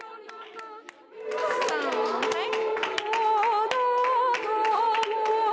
さんはい！